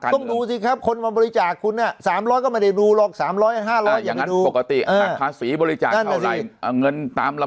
ต้องดูสิครับคนมาบริจาคคุณ๓๐๐ก็ไม่ได้ดูหรอก๓๐๐๕๐๐อย่างนั้นปกติภาษีบริจาคเท่าไหร่เงินตามลำ